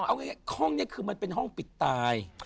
เอาง่ายห้องนี้คือมันเป็นห้องปิดตาย